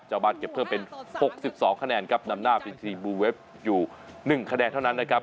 ชาวบ้านเก็บเพิ่มเป็น๖๒คะแนนครับนำหน้าพิธีบูเวฟอยู่๑คะแนนเท่านั้นนะครับ